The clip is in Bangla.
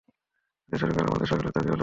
তাদের সরকার আমাদের সকল দাবিদাওয়া পূরণ করেছিল।